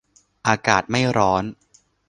อากาศไม่ร้อน